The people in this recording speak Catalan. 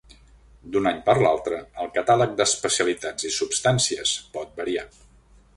D'un any per a l'altre el catàleg d'especialitats i substàncies pot variar.